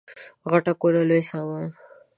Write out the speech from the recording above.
غټه کونه لوی سامان.